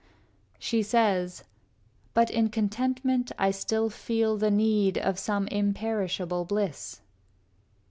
V She says, "But in contentment I still feel The need of some imperishable bliss."